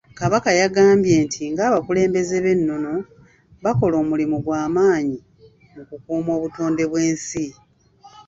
Kabaka yagambye nti ng'abakulembeze b'ennono, bakola omulimu gw'amaanyi mu kukuuma obutonde bw'ensi.